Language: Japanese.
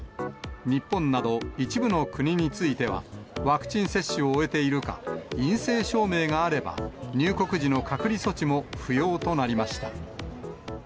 日本など一部の国については、ワクチン接種を終えているか、陰性証明があれば、入国時の隔離措置も不要となりました。